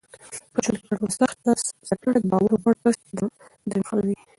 په ژوند کې ترټولو سخته څپېړه دباور وړ کس درنښلوي